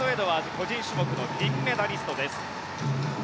個人種目の銀メダリストです。